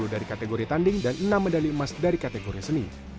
sepuluh dari kategori tanding dan enam medali emas dari kategori seni